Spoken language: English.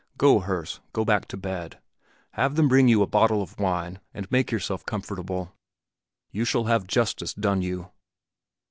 Go, Herse, go back to bed. Have them bring you a bottle of wine and make yourself comfortable; you shall have justice done you!"